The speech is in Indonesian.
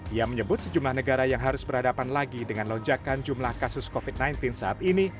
ia menyebut sejumlah negara yang harus berhadapan lagi dengan lonjakan jumlah kasus covid sembilan belas saat ini